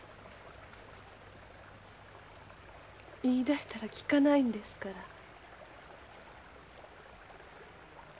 言いだしたら聞かないんですから。